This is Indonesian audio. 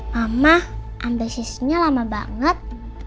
mama ambil sisinya lama banget